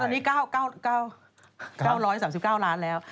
ตอนนี้๙๓๙ล้านแล้ว